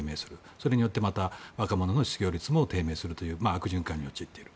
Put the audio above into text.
それによって若者の失業率も低迷するといった悪循環に陥っている。